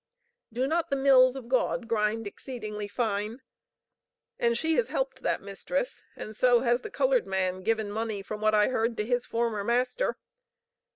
"Do not the mills of God grind exceedingly fine? And she has helped that mistress, and so has the colored man given money, from what I heard, to his former master.